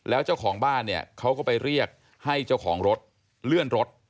แล้วเจ้าของบ้านเนี่ยเขาก็ไปเรียกให้เจ้าของรถเลื่อนรถ